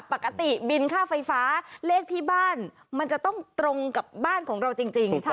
ปกติบินค่าไฟฟ้าเลขที่บ้านมันจะต้องตรงกับบ้านของเราจริง